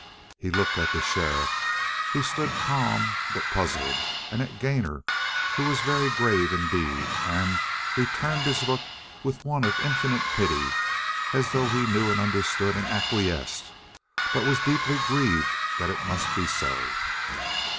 He looked at the sheriff, who stood calm but puzzled, and at Gainor, who was very grave, indeed, and returned his look with one of infinite pity, as though he knew and understood and acquiesced, but was deeply grieved that it must be so.